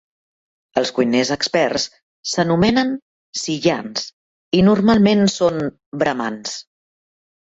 Els cuiners experts s'anomenen "siyans" i, normalment, són bramans.